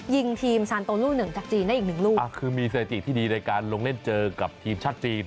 ยิงทีมซานโตลูกหนึ่งจากจีนได้อีกหนึ่งลูกอ่าคือมีสถิติที่ดีในการลงเล่นเจอกับทีมชาติจีน